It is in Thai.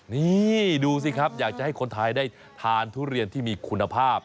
นี่ดูสิครับอยากจะให้คนไทยได้ทานทุเรียนที่มีคุณภาพ